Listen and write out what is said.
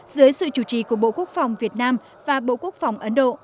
dưới sự chủ trì của bộ quốc phòng việt nam và bộ quốc phòng ấn độ